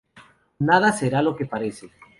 Nada será lo que parece.